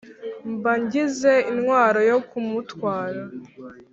mba ngize intwaro yo kumutwara